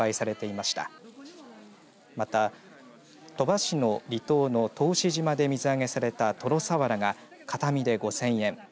また、鳥羽市の離島の答志島で水揚げされたトロさわらが片身で５０００円。